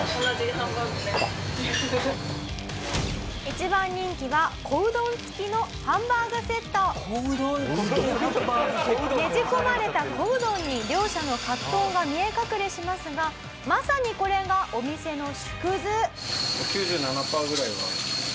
一番人気は小うどん付きハンバーグセット？ねじ込まれた小うどんに両者の葛藤が見え隠れしますがまさにこれがお店の縮図。